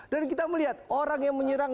dan kita melihat orang yang menyerang